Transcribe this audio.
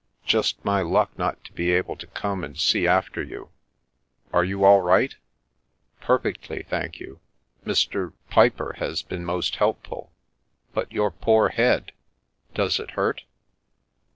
Just my luck not to be able to come and see after you. Are you all right?" " Perfectly, thank you. Mr. — Piper has been most helpful. But your poor head ! Does it hurt